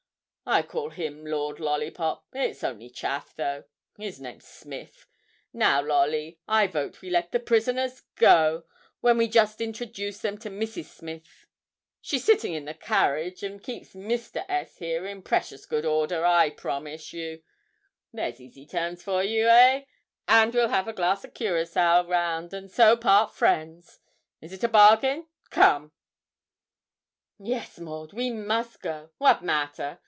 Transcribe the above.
I call him Lord Lollipop; it's only chaff, though; his name's Smith. Now, Lolly, I vote we let the prisoners go, when we just introduce them to Mrs. Smith; she's sitting in the carriage, and keeps Mr. S. here in precious good order, I promise you. There's easy terms for you, eh, and we'll have a glass o' curaçoa round, and so part friends. Is it a bargain? Come!' 'Yes, Maud, we must go wat matter?'